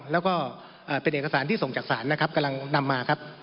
แล้วก็เป็นเอกสารที่ส่งจากศาลนะครับกำลังนำมาครับ